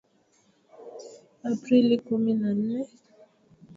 Aprili kumi na nne